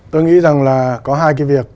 tôi nghĩ rằng là có hai cái việc